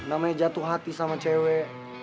namanya jatuh hati sama cewek